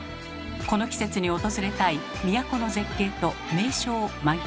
この季節に訪れたい都の絶景と名所を満喫します。